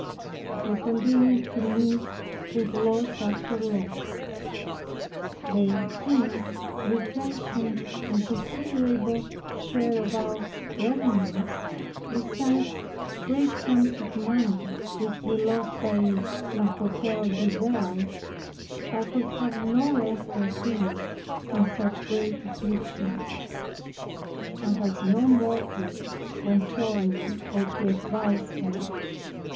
We continued to meet with loss after loss, the king retrenching a considerable share of our revenues, besides great sums of money, which we lost by L'Hotel de Ville. I could have no rest or peace, in such great afflictions. I had no mortal to console me, or to advise me.